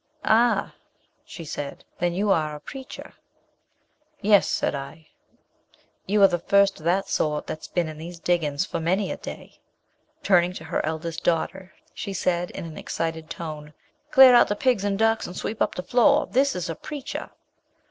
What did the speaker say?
'Ah'; she said, 'then you are a preacher.' 'Yes,' said I. 'You are the first of that sort that's bin in these diggins for many a day.' Turning to her eldest daughter, she said in an excited tone, 'Clar out the pigs and ducks, and sweep up the floor; this is a preacher.'